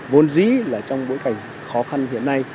vốn dĩ là trong bối cảnh khó khăn hiện nay